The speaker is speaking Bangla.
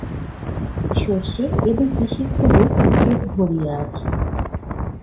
সরষে এবং তিসির ফুলে খেত ভরিয়া আছে।